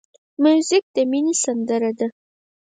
موزیک د مینې سندره ده.